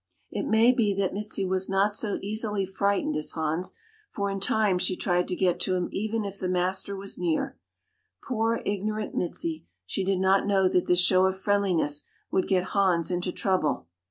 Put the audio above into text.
It may be that Mizi was not so easily frightened as Hans, for in time she tried to get to him even if the master was near. Poor, ignorant Mizi, she did not know that this show of friendliness would get Hans into trouble.